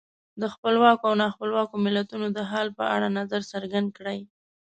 د خپلواکو او نا خپلواکو ملتونو د حال په اړه نظر څرګند کړئ.